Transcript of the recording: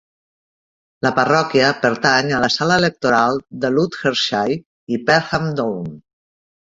La parròquia pertany a la sala electoral de "Ludgershall i Perham Down".